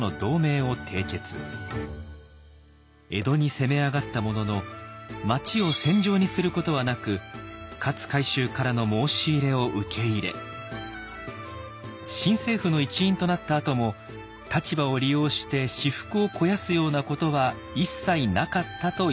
江戸に攻め上がったものの町を戦場にすることはなく勝海舟からの申し入れを受け入れ新政府の一員となったあとも立場を利用して私腹を肥やすようなことは一切なかったといいます。